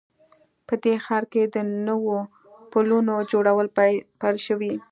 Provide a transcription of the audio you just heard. په دې ښار کې د نوو پلونو جوړول پیل شوي